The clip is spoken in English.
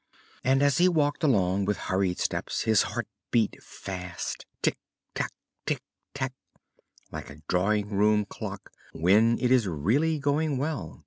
And as he walked along with hurried steps his heart beat fast tic, tac, tic, tac like a drawing room clock when it is really going well.